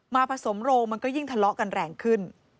ผสมโรงมันก็ยิ่งทะเลาะกันแรงขึ้น